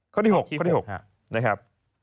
ข้อที่๖นะครับ